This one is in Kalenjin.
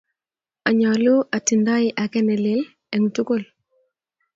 Anyalu atindoi ake ne lel eng tukul